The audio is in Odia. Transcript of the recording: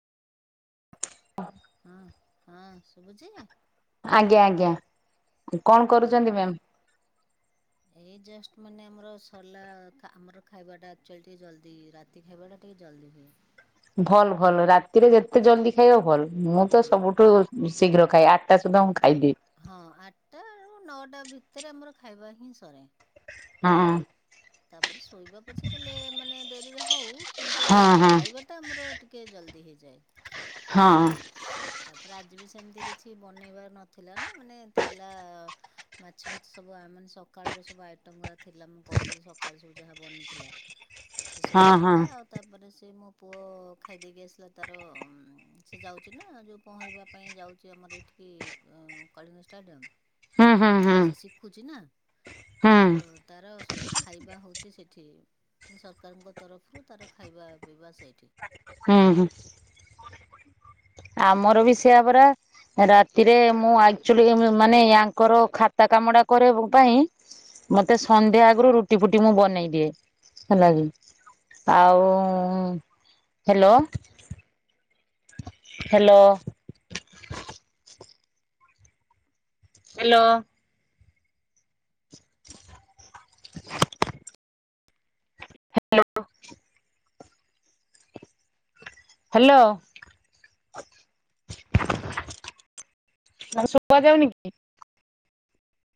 ହଁ ହଁ ଶୁଭୁଛି। ଆଜ୍ଞା ଆଜ୍ଞା। କଣ ହଁ। କରୁଛନ୍ତି ମ୍ୟାମ ଏଇ ଜଷ୍ଟ ମାନେ ଆମର ସରିଲା ଆମର ଖାଇବା ଟା ଆକଚୁଆଲି ଟିକେ ଜଲଦି ରା ରାତି ଖାଇବାଟା ଟିକେ ଜଲଦି ହୁଏ। ଭଲ ଭଲ ରାତିରେ ଯେତେ ଜଲଦି ଖାଇବ ଭଲ। ମୁଁ ତ ହଁ ସବୁଠୁ ଶୀଘ୍ର ଖାଏ ଆଠ ଟା ସୁଦ୍ଧା ହଁ ମୁଁ ଖାଇଦିଏ? ହଁ ଆଠଟା ଆଉ ନଅଟା ଭିତରେ ଆମର ଖାଇବା ହିଁ ସରେ। ହଁ। ତାପରେ ଶୋଇବା ପଛେ କେ ଲେ ମାନେ ଡେରିରେ ହଉ କିନ୍ତୁ ହଁ ହଁ ଖାଇବାଟା ତୋ ଆମର ଟିକେ ଜଲଦି ହେଇଯାଏ। ହଁ ତାପରେ ଆଜି ବି ସେମିତି କିଛି ବନେଇବାର ନଥିଲା ନା ମାନେ ଥିଲା ମାଛ ଫାଛ ସବୁ ଆମେ ମାନେ ସକାଳର ସବୁ ଆଇଟମ ଗୁଡ଼ା ଥିଲା ମୁଁ କହୁଥିଲି ସକାଳେ ସବୁ ଯାହା ବନିଥିଲା। ସେ ହଁ ସବୁ ହଁ ଥିଲା ଆଉ ତାପରେ ସେ ମୋ ପୁଅ ଖାଇଦେଇକି ଆସିଲା। ତାର ସେ ଯାଉଛି ନା ଯୋଉ ପହଁରିବା ପାଇଁ ଯାଉଛି ଆମର ଏଠି କଳିଙ୍ଗ ଷ୍ଟାଡିୟମ। ହୁଁ ହୁଁ ହୁଁ। ଖୁଛି ନା ହୁଁ ତ ତାର ସବୁ ଖାଇବା ହଉଛି ସେଠି ମାନେ ସରକାରଙ୍କ ତରଫରୁ ତାର ଖାଇବା ପିଇବା ସେଇଠି। ହୁଁ ହୁଁ। ଆମର ବି ସେଇଆ ପରା। ରାତିରେ ମୁଁ ଆକଚୁଆଲି ମାନେ ୟାଙ୍କର ଖାତା କାମଟା କରିବା ପାଇଁ ମତେ ସନ୍ଧ୍ୟା ଆଗରୁ ରୁଟି ଫୁଟି ମୁଁ ବନେଇ ଦିଏ। ହେଲା କି ଆଉ hello. Hello. Hello. [inaudible] Hello. Hello. ଆଉ ଶୁଭାଯାଉନି କି?